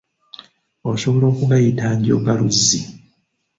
Osobola okugayita njogaluzzi.